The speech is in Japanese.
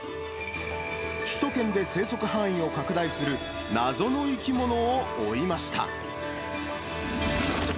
首都圏で生息範囲を拡大する、謎の生き物を追いました。